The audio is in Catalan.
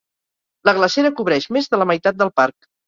La glacera cobreix més de la meitat del parc.